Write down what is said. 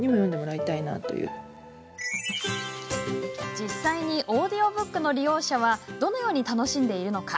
実際にオーディオブックの利用者はどのように楽しんでいるのか。